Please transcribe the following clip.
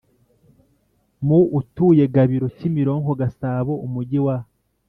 mu utuye GabiroKimironko Gasabo Umujyi wa